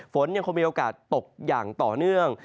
ฝนยังคงมีโอกาสตกอย่างต่อเนื่อง